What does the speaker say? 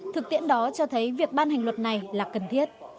thực tiễn đó cho thấy việc ban hành luật này là cần thiết